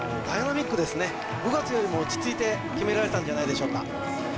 ダイナミックですね５月よりも落ち着いて決められたんじゃないでしょうか